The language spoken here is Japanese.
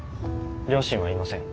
両親はいません。